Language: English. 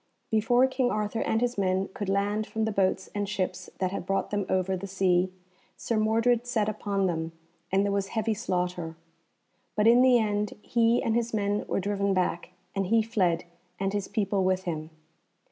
Before King Arthur and his men could land from the boats and ships that had brought them over the sea Sir Mordred set upon them, and there was heavy slaughter. But in the end he and his men were driven back, and he fled, and his people with him.